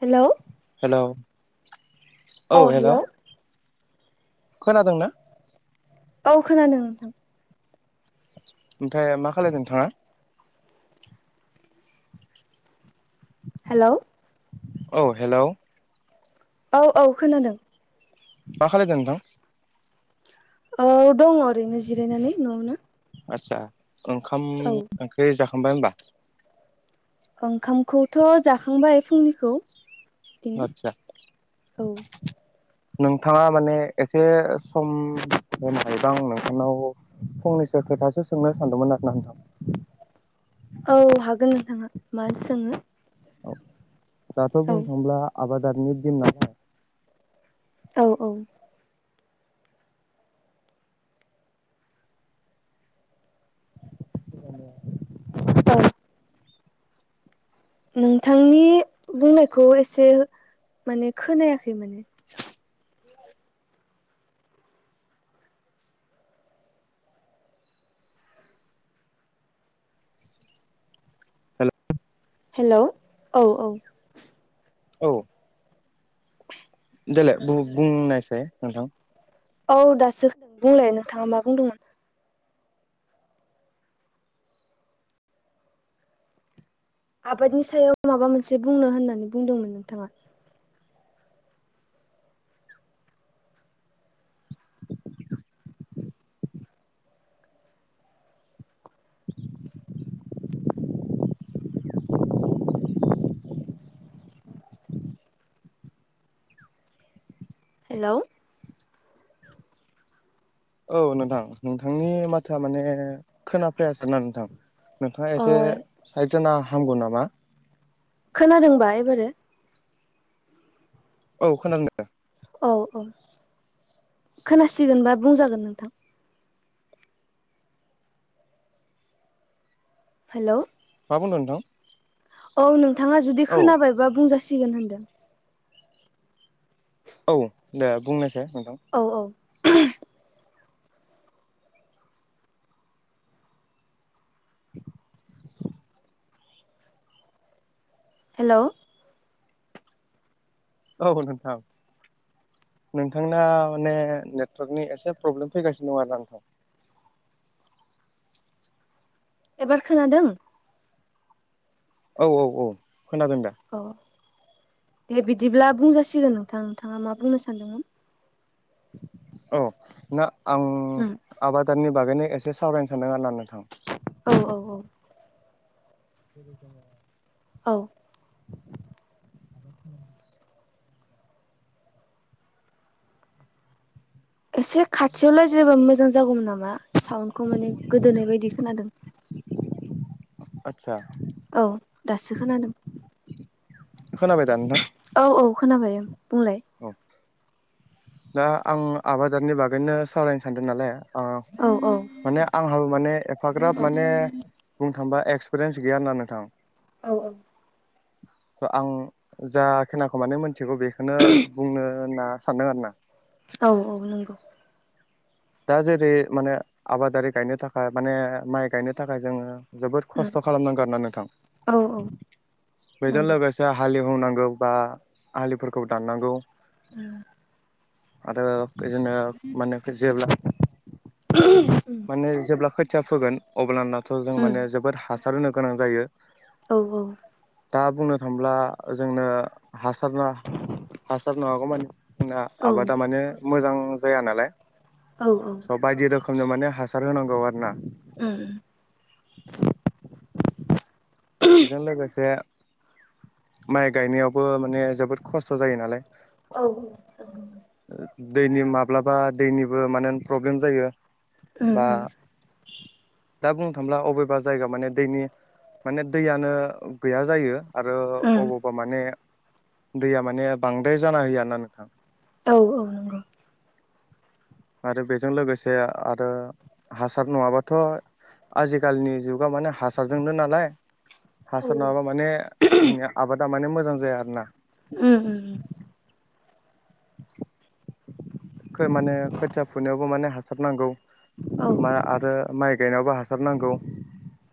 हेल' hello औ hello खोनादोंना? औ खोनादों नोंथां ओमफ्राय मा खालायदों नोंथाङा? हेलौ औ हेलौ औ औ खोनादों मा खालायदो नोंथां? औ दङ ओरैनो जिरायनानै न'आवनो आदसा ओंखाम औ ओंख्रि जाखांबाय होनबा? ओंखामखौथ' जाखांबाय फुंनिखौ बिदिनो आतसा औ नोंथाङा माने एसे सम होननायबां नोंथांनाव फंनैसो खोथासो सोंनो सानदोंमोन आरोना नोंथां औ हागोन नोंथाङा मा सोङो दाथ' औ बुंनो थांब्ला आबादारिनि दिन नालाय औ औ [unintelligible] औ नोंथांनि बुंनायखौ एसे माने खोनायाखै माने हेलौ हेलौ औ औ औ देलाय बु-बुंनायसाय नोंथां औ दासो बुंलाय नोंथाङा मा बुंदोंमोन आबादनि सायाव माबा मोनसे बुंनो होननानै बुंदोंमोन नोंथाङा [inaudible] हेलौ औ नोंथां नोंथांनि माथोआ माने खोनाफैआसै ना नोंथां नोंथाङा अ एसे साइद जाना हामगौ नामा खोनादोंबा एबारो? औ खोनादों दे औ औ खोनासिगोनबा बुंजागोन नोंथां हेलौ मा बुंदों नोंथां? औ नोंथाङा जुदि औ खोनाबायबा बुंजासिगोन होनदों औ दे बुंनायसाय नोंथां औ औ [inaudible] हेलौ औ नोंथां नोंथांना माने नेटवर्कनि एसे प्रब्लेम फैगासिनो दं आरोना नोंथां एबार खोनादों औ औ औ खोनादों दे औ दे बिदिब्ला बुंजासिगोन नोंथां नोंथाङा मा बुंनो सानदोंमोन औ ना आं उम आबादारिनि बागैनो एसे सावरायनो सानदों आरोना नोंथां औ औ औ [inaudible] औ [inaudible] एसे खाथियावलायजाबा मोजां जागौमोन नामा साउन्डखौ माने गोदोनाय बायदि खोनादों आतसा औ दासो खोनादों खोनाबाय दा नोंथां? औ औ खोनाबाय बुंलाय औ दा आं आबादारनि बागैनो सावरायनो सानदों नालाय ओ औ औ माने आंहाबो माने एफाग्राब माने बुंनो थांबा एक्सपिरियेन्स गैयाना नोंथां औ औ [inaudible] स‌ आं जा खोनाखौ माने मोनथिगौ बेखौनो बुंनो होनना सानदों आरोना औ औ नंगौ दा जेरै माने आबादारि गायनो थाखाय माने माइ गायनो थाखाय जोङो जोबोद उम खस्थ खालामनांगोन आरोना औ औ नोंथां बेजों नंगौ लोगो हालेवनांगौ बा आलिफोरखौ दाननांगौ [unintelligible] आरो बिदिनो माने जेब्ला उम माने जेब्ला खोथिया फोगोन अब्लानथ' जों उम माने जोबोद हासार होनो गोनां जायो औ औ दा बुंनो थांब्ला जोंनो हासार ना हासार नङागौमानि जोंना औ आबादा माने मोजां जाया नालाय औ औ स' बायदि रोखोमनि माने हासार होनांगौ आरो ना उम [inaudible] बेजों लोगोसे माइ गायनायावबो माने जोबोद खस्थ' जायो नालाय औ दैनि माब्लाबा दैनिबो माने प्रब्लेम जायो बा दा बुंनो थाङोब्ला अबेबा जायगा माने दैनि माने दैयानो गैया जायो आरो अबावबा माने दैया माने बांद्राय जाना होयो आरोना नोंथां औ औ नंगौ आरो बेजों लोगोसे आरो हासार नङाबाथ' आजिखालिनि जुगा माने हासारजोंनो नालाय हासार नङाब्ला माने जोंनि आबादा माने मोजां जाया आरोना उम उम [inaudible] माने खोथिया फुनायावबो माने हासार नांगौ औ मा आरो माइ गायनायावबो हासार नांगौ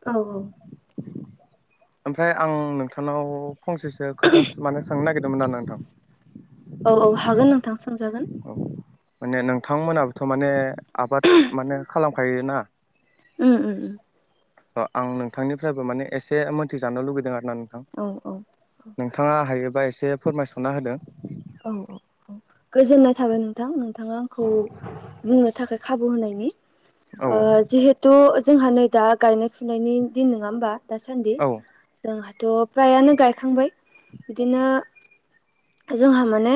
औ औ ओमफ्राय आं नोंथांनाव फंसेसो खोथा माने सोंनो नागिरदोंमोन आरोना नोंथां औ औ हागोन नोंथां सोंजागोन औ माने नोंथांमोनाबोथ' माने आबाद माने खालामखायोना उम उम उम आं नोंथांनिफ्रायबो माने एसे मोनथिजानो लुगैदों आरो ना नोंथां औ औ नोंथाङा हायोबा एसे फोरमायसना होदों औ औ औ गोजोननाय थाबाय नोंथां नोंथांङा आंखौ बुंनो थाखाय खाबु होनायनि औ ओ जिहेथु जोंहा नै दा गायनाय फुनायनि दिन नोंङा होमबा दासान्दि औ जोंहाथ' फ्रायानो गायखांबाय बिदिनो जोंहा माने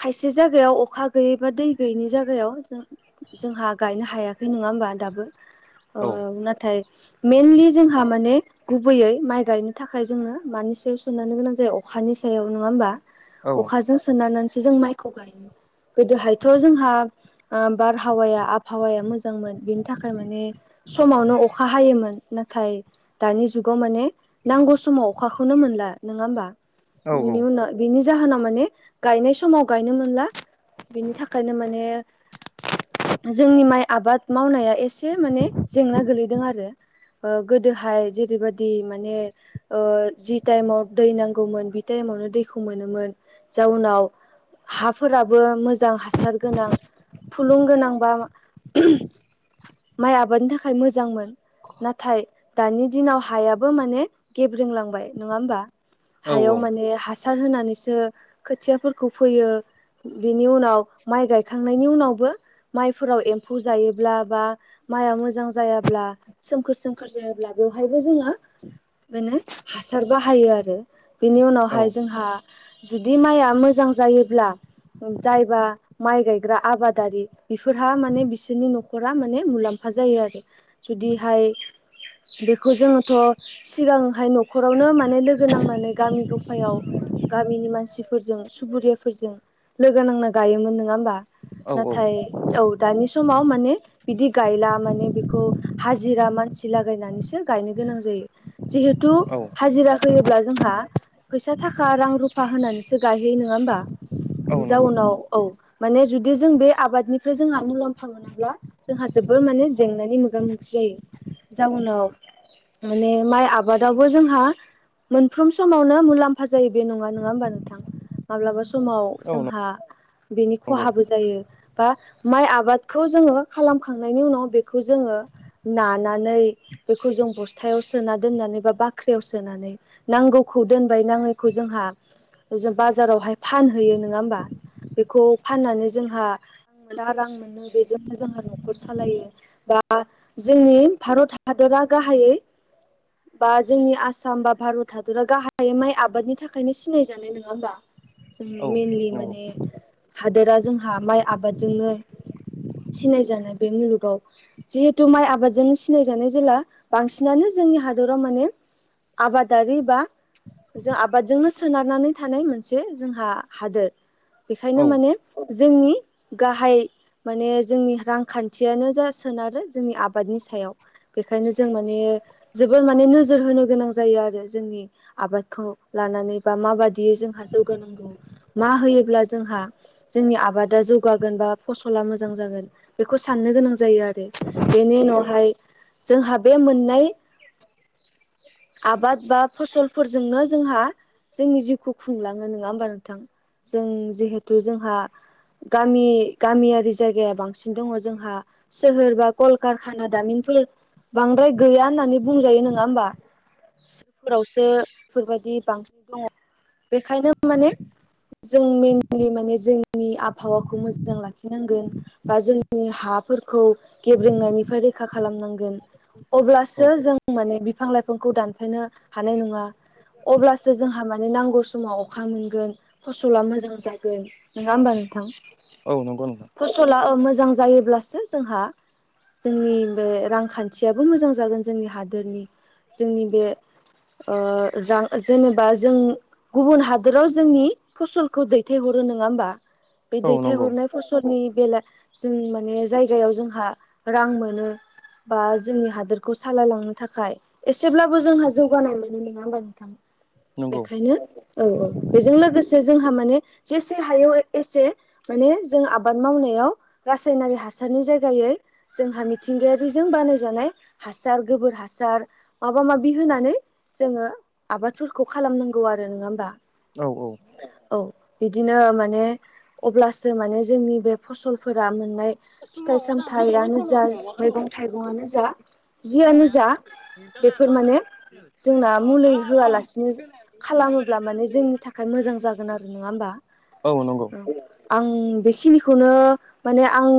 खायसे जायगायाव अखा गैयै बा दै गैयैनि जायगायाव जों जोंहा गायनो हायाखै नंङा होमबा दाबो औ ओ नाथाय मेइनलि जोंहा माने गुबैयै माइ गायनो थाखाय जोंङो मानि सायाव सोनारनो गोनां जायो अखानि सायाव नोंङा होमबा औ अखाजों सोननानैसो जों माइखौ गायो गोदोहायथ' जोंहा ओ बारहावाया आबहावाया मोजांमोन बेनि थाखाय माने समावनो अखा हायोमोन नाथाय दानि जुगाव माने नांगौ समाव अखाखौनो मोनला नोंङा होमबा? औ बिनि उनाव बिनि जाहोनाव माने गायनाय समाव गायनो मोनला बिनि थाखायनो माने जोंनि माइ आबाद मावनाया एसे माने जेंना गोलैदों आरो ओ गोदोहाय जेरैबादि माने ओ जि टाइमाव दै नांगौमोन बि टाइमावनो दैखौ मोनोमोन। जाउनाव हाफोराबो मोजां हासार गोनां थुलुंगोनांबा [inaudible] माइ आबादनि थाखाय मोजांमोन। नाथाय दानि दिनाव हायाबो माने गेब्रोंलांबाय नोंङा होमबा? औ हायाव माने हासार होनानैसो खोथियाफोरखौ फोयो बेनि उनाव माइ गायखांनायनि उनावबो माइफोराव एम्फौ जायोब्ला बा माइआ मोजां जायाब्ला सोमखोर सोमखोर जायाब्ला बेवहायबो जोंङो माने हासार बाहायो आरो। बिनि औ उनावहाय जोंहा जुदि माइआ मोजां जायोब्ला जायबा माइ गायग्रा आबादारि बेफोरहा माने बिसोरनि न'खरा माने मुलाम्फा जायो आरो जुदिहाय बेखौ जोङोथ' सिगांहाय न'खरावनो माने लोगो नांनानै गामि गफायाव गामिनि मानसिफोरजों सुबुरियाफोरजों लोगो नांना गायोमोन नोंङा होमबा नाथाय औ दानि समाव माने बिदि गायला माने बेखौ हाजिरा मानसि लागायनानैसो गायनो गोनां जायो। जिहेथु औ हाजिरा होयोब्ला जोंहा फैसा थाखा रां रु फा होनानैसो गायहैयो नोंङा होमबा औ नंगौ जाउनाव औ माने जुदि जों बे आबादनिफ्राय जोंहा मुलाम्फा मोनाब्ला जोंहा जोबोर माने जेंनानि मोगा मोगि जायो जाउनाव माने माइ आबादावबो जोंहा मोनफ्रोम समावनो मुलाम्फा जायो बे नंङा नंङा नंङा होमबा नोंथां? माब्लाबा समाव औ जोंहा बेनि नंगौ खहाबो जायो। बा माइ आबादखौ जोंङो खालामखांनायनि उनाव बेखौ जोंङो नानानै बेखौ जों बस्थायाव सोना दोननानै बा बाख्रियाव सोनानै नांगौखौ दोनबाय नांङैखौ जोंहा जों बाजारावहाय फानहैयो नोंङा होमबा बेखौ फाननानै जोंहा जा रां मोनो बेजोंनो जोंहा न'खर सालायो। बा जोंनि भारत हादरा गाहायै बा जोंनि आसाम बा भारत हादरा गाहाय माइ आबादनि थाखायनो सिनायजानाय नोंङा होमबा जों औ मेइनलि नंगौ माने हादोरा जोंहा माइ आबादजोंनो सिनायजानाय बे मुलुगाव जिहेतु माइ आबादजों सिनायजानाय जेला बांसिनानो जोंनि हादराव माने आबादारि बा जों आबादजोंनो सोनारनानै थानाय मोनसे जोंहा हादोर। औ बेखायनो माने जोंनि गाहाय माने जोंनि रांखान्थियानो जा सोनारो जोंनि आबादनि सायाव। बेखायनो जों माने जोबोर माने नोजोर होनो गोनां जायो आरो जोंनि आबादखौ लानानै बा माबादियै जोंहा जौगा नांगौ मा होयोब्ला जोंहा जोंनि आबादा जौगागोन बा फसला मोजां जागोन बेखौ साननो गोनां जायो आरो। बेनि उनावहाय जोंहा बे मोननाय आबाद बा फसलफोरजोंनो जोंहा जोंनि जिउखौ खुंलाङो नङा होमबा नोंथां। जों जिहेथु जोंहा गामि गामियारि जायगाया बांसिन दङ जोंहा। सोहोर बा कलकारखाना दामिनफोर बांद्राय गैया होननानै बुंजायो नङा होमबा? सोहोरावसो बेफोरबायदि बांसिन दङ बेखायनो माने जों मेनलि माने जोंनि आबहावाखौ मोजां लाखिनांगोन। बा जोंनि हाफोरखौ गेब्रेंनायनिफ्राय रैखा खालामनांगोन। औ अब्लासो जों माने बिफां लाइफांखौ दानफायनो हानाय नङा। अब्लास सो जोंहा माने नांगौ समाव अखा मोनगोन। फसला मोजां जागोन नोङा होमबा नोंथां। औ नंगौ नोंथां। फसला ओ मोजां जायोब्लासो जोंहा जोंनि बे रांखान्थियाबो मोजां जागोन। जोंनि हादोरनि जोंनि बे ओ रां ओस जेनेबा जों गुबुन हादोराव जोंनि फसलखौ दैथायहरो नोङा होमबा? बे औ दैथाय नंगौ हरनाय फसलनि बेला जों माने जायगायाव जोंहा रां मोनो। बा जोंनि हादोरखौ सालायलांनो थाखाय एसेब्लाबो जोंहा जौगानाय मोनो नङा होमबा नोंथां? नंगौ बेखायनो औ औ बेजों लोगोसे जोंहा माने जेसे हायो एसे माने जों आबाद मावनायाव रासायनारि हासारनि जायगायै जोंहा मिथिंगायारिजों बानायजानाय हासार गोबोर हासार माबा माबि होनानै जोङो। आबादफोरखौ खालामनांगौ आरो नोङा होमबा। औ औ औ बिदिनो माने अब्लासो माने जोंनि बे फसलफोरा मोननाय फिथाइ सामथायानो जा मैगं थाइगंआनो जा जियानो जा [unintelligible] आ मुलै होआलासिनो जो खालामोब्ला माने जोंनि थाखाय मोजां जागोन आरो नङा होमबा? औ नंगौ। आं बेखिनिखौनो माने आं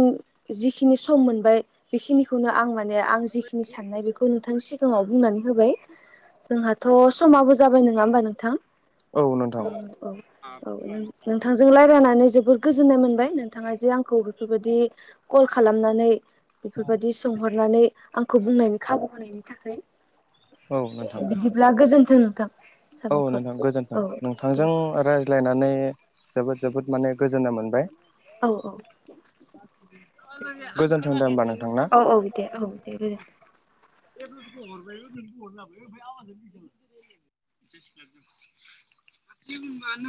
जिखिनि सम मोनबाय बेखिनिखौनो आं मान ने आं जेखिनि साननाय बेखौ नोंथांनि सिगाङाव बुंनानै होबाय। जोंहाथ थ' समाबो जाबाय नङा होमबा नोंथां? औ औ औ नों नों थांजों लायरायनानै जोबोर गोजोन्नाय मोनबाय नोंथाङा जे आं खौ बेफोरबायदि कल खालामनानै बेफोरबायदि सोंहरनानै आंखौ बुंनायनि खाबु होनायनि थाखै औ दे नोंथां बिदिब्ला गोजोन्थों नोंथां। औ साबायखर नोंथां गोजोन्थों औ नों दे थांजों रायज्लायनानै जोबोद जोबोद माने गोजोन्नाय मोनबाय। औ औ गोजोन्थों दे होमबा नोंथां ना। औ औ दे औ दे गोजोन्थों। [unintelligible] [unintelligible] मानो